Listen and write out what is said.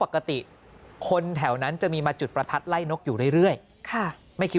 ปกติคนแถวนั้นจะมีมาจุดประทัดไล่นกอยู่เรื่อยไม่คิด